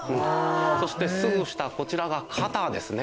そしてすぐ下こちらが肩ですね。